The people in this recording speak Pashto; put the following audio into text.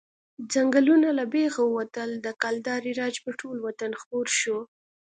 ځنګلونه له بېخه ووتل، د کلدارې راج پر ټول وطن خپور شو.